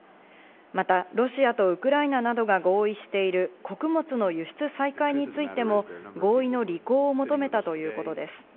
また、ロシアとウクライナなどが合意している穀物の輸出再開についても、合意の履行を求めたということです。